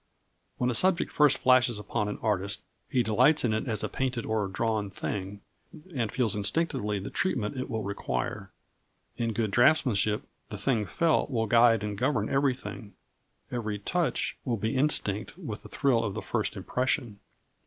When a subject first flashes upon an artist he delights in it as a painted or drawn thing, and feels instinctively the treatment it will require. In good draughtsmanship the thing felt will guide and govern everything, every touch will be instinct with the thrill of that first impression.